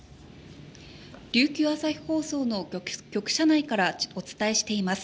琉球朝日放送の局舎内からお伝えしています。